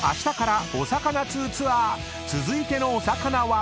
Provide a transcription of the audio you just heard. ［続いてのお魚は］